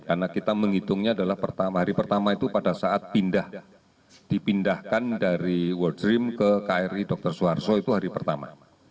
karena kita menghitungnya adalah hari pertama itu pada saat pindah dipindahkan dari world dream ke kri dr suharto itu hari pertama